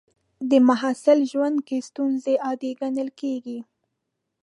د محصل ژوند کې ستونزې عادي ګڼل کېږي.